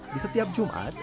di setiap jumat